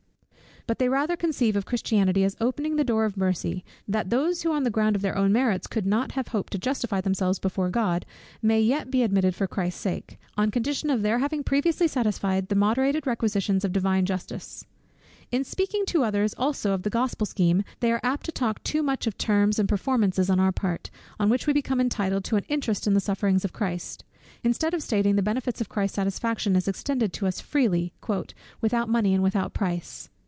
But they rather conceive of Christianity as opening the door of mercy, that those who on the ground of their own merits could not have hoped to justify themselves before God, may yet be admitted for Christ's sake, on condition of their having previously satisfied the moderated requisitions of Divine Justice. In speaking to others also of the Gospel scheme, they are apt to talk too much of terms and performances on our part, on which we become entitled to an interest in the sufferings of Christ; instead of stating the benefits of Christ's satisfaction as extended to us freely, "without money and without price."